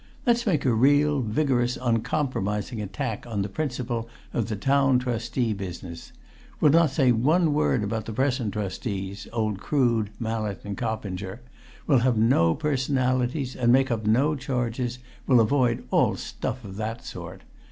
Let's make a real, vigorous, uncompromising attack on the principle of the Town Trustee business. We'll not say one word about the present Trustees, old Crood, Mallett and Coppinger we'll have no personalities, and make no charges; we'll avoid all stuff of that sort.